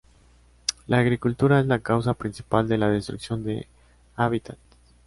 La agricultura es la causa principal de la destrucción de hábitats.